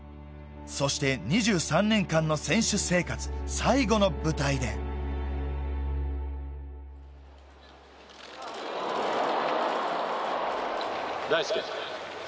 そして２３年間の選手生活最後の舞台で大輔。